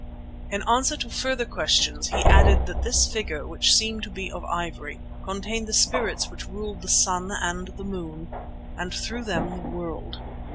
In answer to further questions he added that this figure, which seemed to be of ivory, contained the spirits which ruled the sun and the moon, and through them the world.